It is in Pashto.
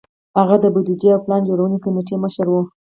هغه د بودیجې او پلان جوړونې کمېټې مشر و.